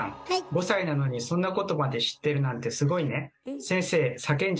５歳なのにそんなことまで知ってるなんてすごいね。